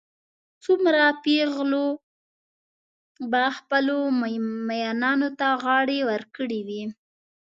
څومره پېغلو به خپلو مئینانو ته غاړې ورکړې وي.